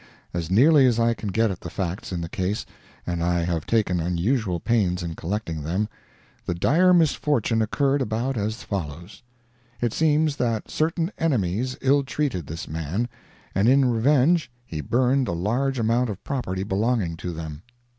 As nearly as I can get at the facts in the case—and I have taken unusual pains in collecting them—the dire misfortune occurred about as follows: It seems that certain enemies ill treated this man, and in revenge he burned a large amount of property belonging to them.